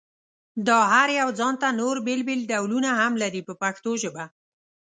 دا هر یو ځانته نور بېل بېل ډولونه هم لري په پښتو ژبه.